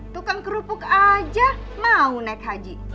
tukang kerupuk aja mau naik haji